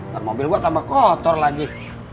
ntar mobil gue tambah kotor lagi